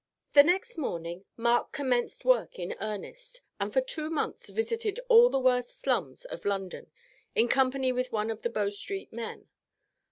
The next morning Mark commenced work in earnest, and for two months visited all the worst slums of London in company with one of the Bow Street men.